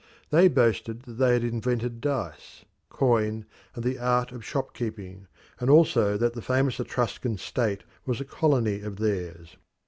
They boasted that they had invented dice, coin, and the art of shop keeping, and also that the famous Etruscan state was a colony of theirs.